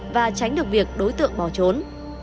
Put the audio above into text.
và tránh được việc đối tượng bỏ trốn